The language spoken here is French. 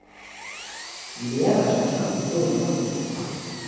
Léa va chercher un couteau et un marteau.